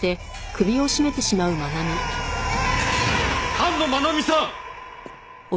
菅野茉奈美さん！